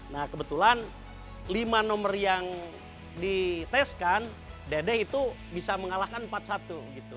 nah kebetulan lima nomor yang diteskan dedek itu bisa mengalahkan empat satu gitu